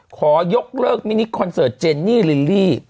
ขอยกเลิกมินิคอนเสิร์ตเจนนี่ลิลลี่